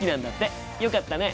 よかったね。